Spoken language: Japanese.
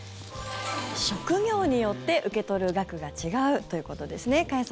職業によって受け取る額が違うということですね。